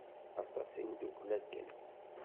Aṭas i neddukel akken.